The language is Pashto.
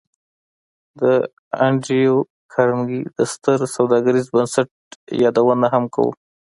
د انډریو کارنګي د ستر سوداګریز بنسټ یادونه هم کوو